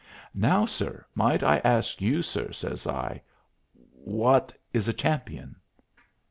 "Now, sir, might I ask you, sir," says I, "wot is a champion?"